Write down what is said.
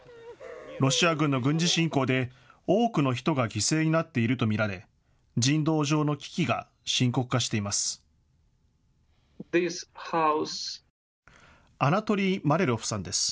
ロシア軍の軍事侵攻で多くの人が犠牲になっていると見られ人道上の危機が深刻化しています。